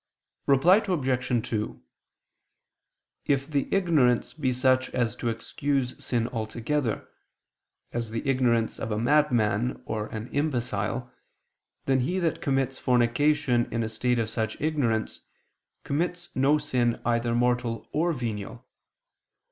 Reply Obj. 2: If the ignorance be such as to excuse sin altogether, as the ignorance of a madman or an imbecile, then he that commits fornication in a state of such ignorance, commits no sin either mortal or venial.